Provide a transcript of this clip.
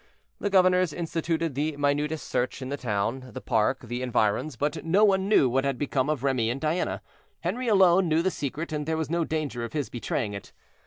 The governors instituted the minutest search in the town, the park, the environs, but no one knew what had become of Remy and Diana. Henri alone knew the secret, and there was no danger of his betraying it.